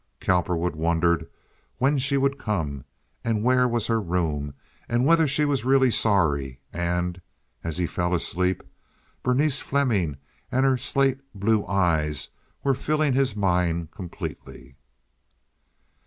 Cowperwood wondered when she would come, and where was her room, and whether she was really sorry, and— As he fell asleep Berenice Fleming and her slate blue eyes were filling his mind completely.